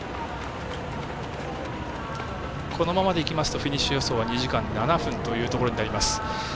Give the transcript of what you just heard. このままでいきますとフィニッシュ予想は２時間７分というところになります。